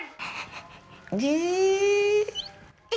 jangan soal durian